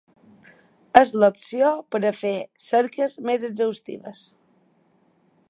És l’opció per a fer cerques més exhaustives.